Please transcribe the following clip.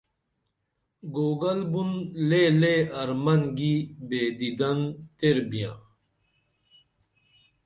گوگل بُں لےلے ارمن گی بِدیدن تیر بیاں